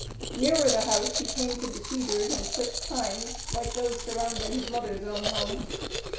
Nearer the house he came to the cedars and clipped pines, like those surrounding his mother's own home.